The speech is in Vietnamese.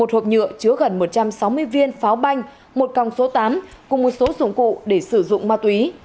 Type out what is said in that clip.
một hộp nhựa chứa gần một trăm sáu mươi viên pháo banh một còng số tám cùng một số dụng cụ để sử dụng ma túy